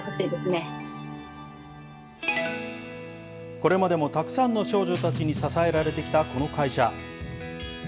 これまでもたくさんの少女たちに支えられてきたこの会社。